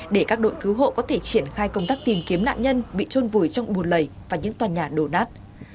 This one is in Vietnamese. để các đội cứu hộ có thể triển khai công tác tìm kiếm nạn nhân bị trôn vùi trong buồn lẩy và những toàn nhà đổ nát